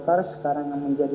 dan diperiksa di jawa bali